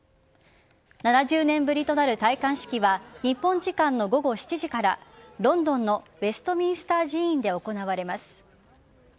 ７０年ぶりとなる戴冠式は日本時間の午後７時からロンドンのウェストミンスター寺院で行われます。